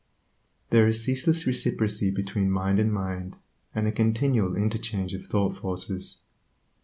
There is ceaseless reciprocity between mind and mind, and a continual interchange of thought forces.